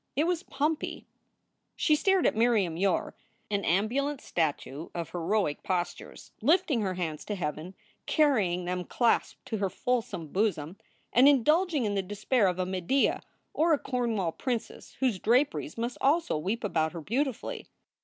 It was pumpy. She stared at Miriam Yore, an ambulant statue of heroic postures, lifting her hands to heaven, carrying them clasped to her fulsome bosom, and indulging in the despair of a Medea or a Cornwall princess whose draperies must also weep about her beautifully.